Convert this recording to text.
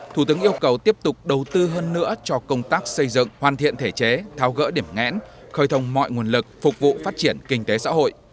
thủ tướng yêu cầu tiếp tục đầu tư hơn nữa cho công tác xây dựng hoàn thiện thể chế thao gỡ điểm ngẽn khởi thông mọi nguồn lực phục vụ phát triển kinh tế xã hội